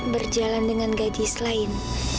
berjalan dengan gadis lain